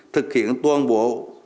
thực hiện toàn bộ